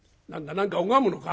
何か拝むのか？」。